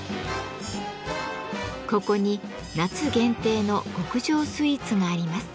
ここに夏限定の極上スイーツがあります。